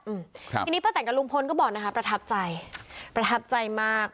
อืมครับทีนี้ป้าแตนกับลุงพลก็บอกนะคะประทับใจประทับใจมาก